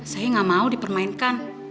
saya gak mau dipermainkan